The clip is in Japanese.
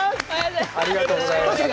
ありがとうございます。